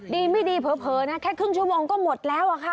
ดีไม่ดีเผลอนะแค่ครึ่งชั่วโมงก็หมดแล้วอะค่ะ